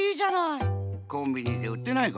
コンビニでうってないかな？